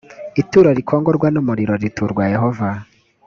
ituro rikongorwa n umuriro riturwa yehova